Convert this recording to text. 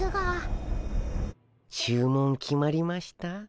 注文決まりました？